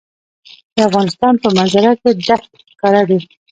د افغانستان په منظره کې دښتې ښکاره ده.